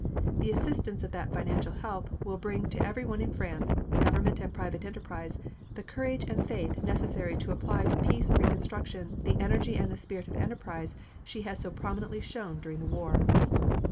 The assurance of that financial help will bring to every one in France, government and private enterprise, the courage and faith necessary to apply to peace reconstruction the energy and the spirit of enterprise she has so prominently shown during the war.